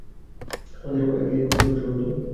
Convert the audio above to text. আমাদের ও, একে রক্ষা করার সময় - তো?